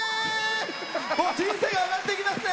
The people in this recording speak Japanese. もう人生上がっていきますね！